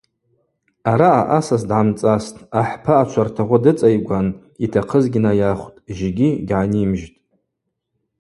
Араъа асас дгӏамцӏастӏ, ахӏпа ачвартагъвы дыцӏайгван йтахъызгьи найахвтӏ, жьгьи гьгӏанимжьтӏ.